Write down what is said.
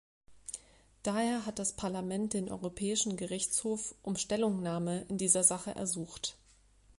Daher hat das Parlament den Europäischen Gerichtshof um Stellungnahme in dieser Sache ersucht.